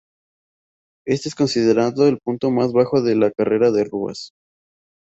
Este es considerado el punto más bajo de la carrera de Ruas.